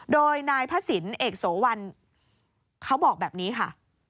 โดยนายพระศิลป์เอกโสวันเขาบอกแบบนี้ค่ะ